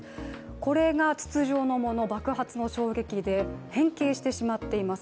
これが筒状のもの、爆発の衝撃で変形してしまっています。